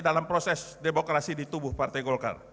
dalam proses demokrasi di tumang